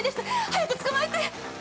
早く、捕まえて！！